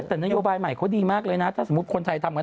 แต่นโยบายใหม่เขาดีมากเลยนะถ้าสมมุติคนไทยทำกัน